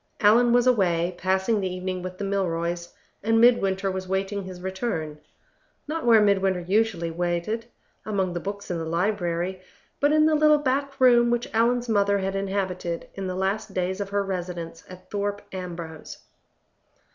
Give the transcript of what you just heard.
Allan was away, passing the evening with the Milroys; and Midwinter was waiting his return not where Midwinter usually waited, among the books in the library, but in the little back room which Allan's mother had inhabited in the last days of her residence at Thorpe Ambrose.